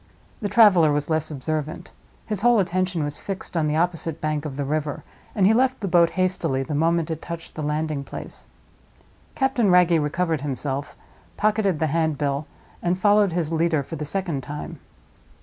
The traveler was less observant; his whole attention was fixed on the opposite bank of the river, and he left the boat hastily the moment it touched the landing place. Captain Wragge recovered himself, pocketed the handbill, and followed his leader for the second time.